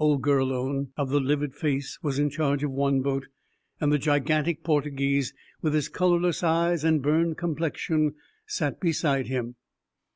Old Gurlone, of the livid face, was in charge of one boat, and the gigantic Portuguese, with his colorless eyes and burned complexion, sat beside him.